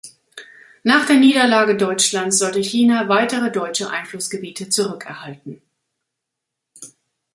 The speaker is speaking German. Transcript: Nach der Niederlage Deutschlands sollte China weitere deutsche Einflussgebiete zurückerhalten.